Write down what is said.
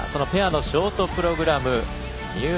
そのペアのショートプログラム三浦